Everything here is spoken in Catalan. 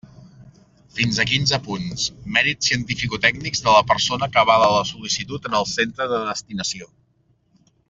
Fins a quinze punts: mèrits cientificotècnics de la persona que avala la sol·licitud en el centre de destinació.